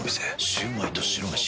シュウマイと白めし。